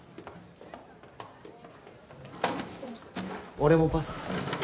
俺もパス。